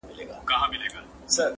د خندا جنازه ولاړه غم لړلې-